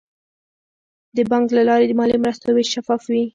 د بانک له لارې د مالي مرستو ویش شفاف وي.